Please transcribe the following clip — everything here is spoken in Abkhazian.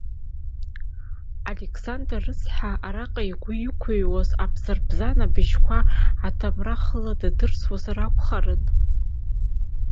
Алықьсандр рыцҳа араҟа игәы иқәыҩуаз абзырбзан быжьқәа адамра хыла дадырсуазар акәхарын.